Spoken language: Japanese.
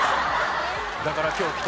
だから今日来た。